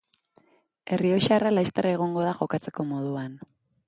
Errioxarra laster egongo da jokatzeko moduan.